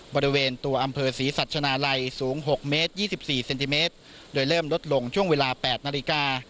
บริเวณตัวอำเภอศรีสัชนาลัยสูง๖เมตร๒๔เซนติเมตรโดยเริ่มลดลงช่วงเวลา๘นาฬิกา